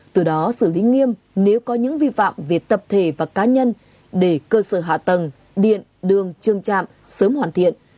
từ đó xử lý nghiêm nếu có những vi phạm về tập thể và cá nhân để cơ sở hạ tầng điện đường trường trạm sớm hoàn thiện